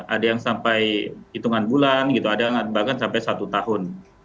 ada yang sampai hitungan bulan gitu ada bahkan sampai satu tahun